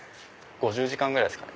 ５０時間ぐらいですかね。